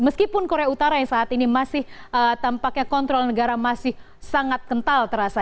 meskipun korea utara yang saat ini masih tampaknya kontrol negara masih sangat kental terasa